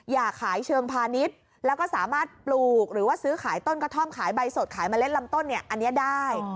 อยากขายเชิงพาณิชย์แล้วก็สามารถปลูกหรือว่าซื้อขายต้นกระท่อมขายใบสดขายเมล็ดลำต้นเนี่ยอันนี้ได้